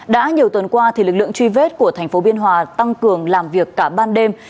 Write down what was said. đã nhiều tuần qua lực lượng truy vết của thành phố biên hòa tăng cường làm việc cả ban đêm